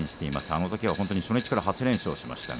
あのときは初日から８連勝しました。